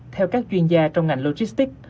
theo các chuyên gia trong ngành logistics